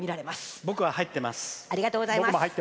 僕も入ってます。